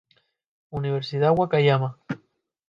Universidad Wakayama.